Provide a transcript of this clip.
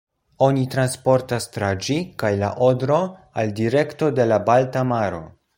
Oni transportas tra ĝi kaj la Odro al direkto de la Balta maro.